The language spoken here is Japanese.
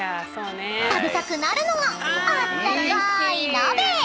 ［食べたくなるのがあったかーい］